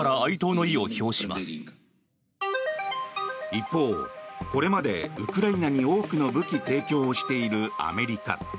一方、これまでウクライナに多くの武器提供をしているアメリカ。